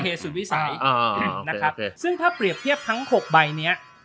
สุดวิสัยนะครับซึ่งถ้าเปรียบเทียบทั้ง๖ใบเนี้ย